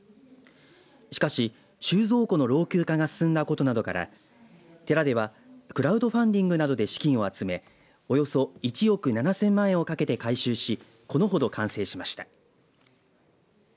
しかし、収蔵庫の老朽化が進んだことなどから寺ではクラウドファンディングなどで資金を集めおよそ１億７０００万円をかけて改修しこのほど完成しました。